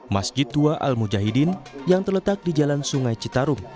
masjid tua al mujahidin yang terletak di jalan sungai citarum